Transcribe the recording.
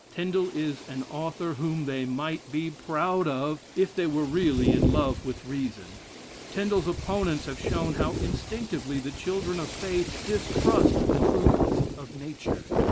Tindal is an author whom they might be proud of, if they were really in love with reason. Tindal's opponents have shown how instinctively the children of faith distrust the truths of Nature.